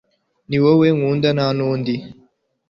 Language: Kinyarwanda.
niwowe nkunda nta nundi